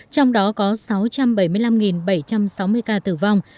trong đó có sáu trăm bảy mươi năm bảy trăm sáu mươi ca tử vong